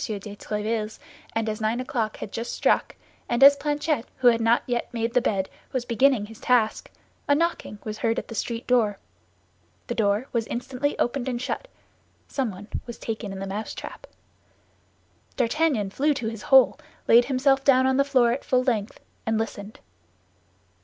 de Tréville's, as nine o'clock had just struck, and as Planchet, who had not yet made the bed, was beginning his task, a knocking was heard at the street door. The door was instantly opened and shut; someone was taken in the mousetrap. D'Artagnan flew to his hole, laid himself down on the floor at full length, and listened.